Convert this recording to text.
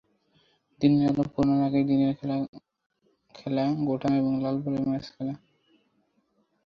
দিনের আলো ফুরোনোর আগেই দিনের খেলা গোটানো এবং লাল বলে ম্যাচ খেলা।